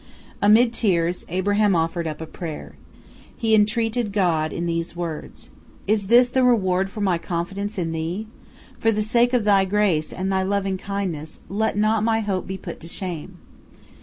Amid tears, Abraham offered up a prayer. He entreated God in these words: "Is this the reward for my confidence in Thee? For the sake of Thy grace and Thy lovingkindness, let not my hope be put to shame."